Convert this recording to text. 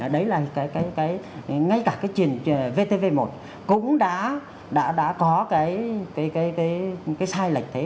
đấy là cái ngay cả cái truyền vtv một cũng đã có cái sai lệch thế